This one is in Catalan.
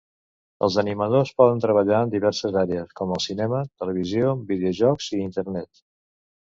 Els animadors poden treballar en diverses àrees com el cinema, televisió, videojocs, i internet.